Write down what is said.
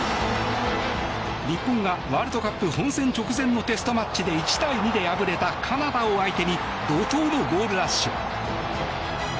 日本がワールドカップ本戦直前のテストマッチで１対２で敗れたカナダを相手に怒濤のゴールラッシュ。